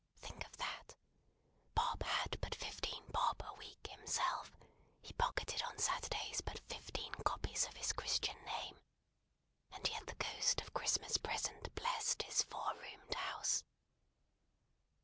Think of that! Bob had but fifteen "Bob" a week himself; he pocketed on Saturdays but fifteen copies of his Christian name; and yet the Ghost of Christmas Present blessed his four roomed house!